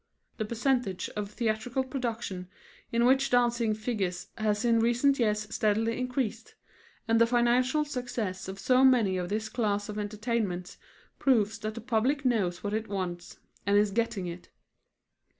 The percentage of theatrical productions in which dancing figures has in recent years steadily increased, and the financial success of so many of this class of entertainments proves that the public knows what it wants, and is getting it.